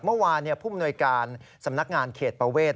เมื่อวานผู้มนวยการสำนักงานเขตประเวท